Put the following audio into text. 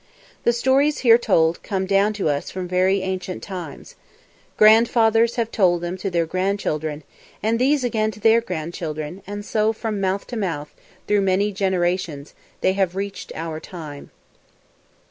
The stories here told come down to us from very ancient times. Grandfathers have told them to their grandchildren, and these again to their grandchildren, and so from mouth to mouth, through many generations, they have reached our time.